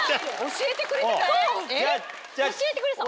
教えてくれてた？